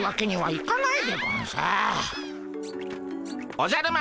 おじゃる丸